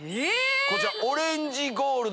こちら。